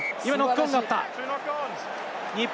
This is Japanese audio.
今のはノックオンだった。